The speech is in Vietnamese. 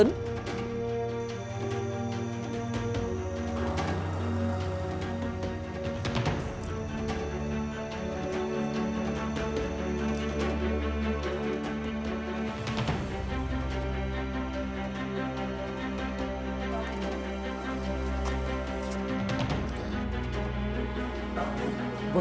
với nhận định trên